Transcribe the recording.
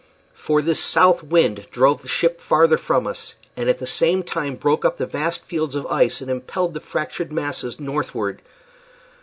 For this south wind drove the ship farther from us, and at the same time broke up the vast fields of ice and impelled the fractured masses northward.